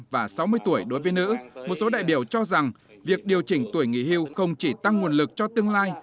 và sáu mươi tuổi đối với nữ một số đại biểu cho rằng việc điều chỉnh tuổi nghỉ hưu không chỉ tăng nguồn lực cho tương lai